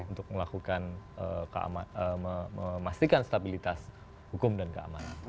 untuk melakukan keamanan eh memastikan stabilitas hukum dan keamanan